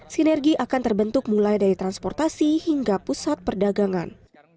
sinergi akan terbentuk mulai dari transportasi hingga pusat perdagangan